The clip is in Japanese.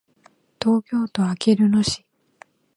東京都あきる野市